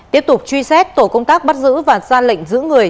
tiếp tục truy xét tổ công tác bắt giữ và ra lệnh giữ người